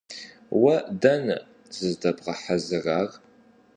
Уэ дэнэ зыздэбгъэхьэзырар?